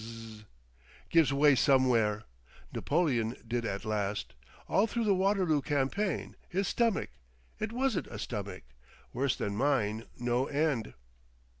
Zzzz. Gives way somewhere. Napoleon did at last. All through the Waterloo campaign, his stomach—it wasn't a stomach! Worse than mine, no end."